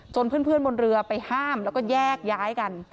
เพื่อนบนเรือไปห้ามแล้วก็แยกย้ายกัน